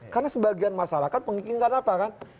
karena sebagian masyarakat penginginan apa kan